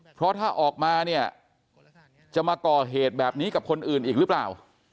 เพราะถ้าออกมาเนี่ยจะมาก่อเหตุแบบนี้กับคนอื่นอีกหรือเปล่า